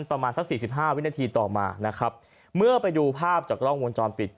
ประมาณสักสี่สิบห้าวินาทีต่อมานะครับเมื่อไปดูภาพจากกล้องวงจรปิด